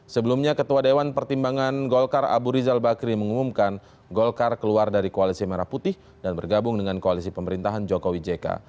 sebelumnya ketua dewan pertimbangan golkar abu rizal bakri mengumumkan golkar keluar dari koalisi merah putih dan bergabung dengan koalisi pemerintahan jokowi jk